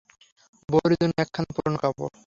বউয়ের জন্যে একখানা পুরোনো কাপড়।